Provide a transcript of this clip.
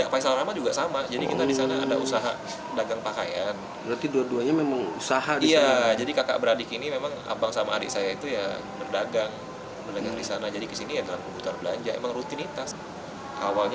faisal rahman mengatakan bahwa dia ingin pulang tanggal tujuh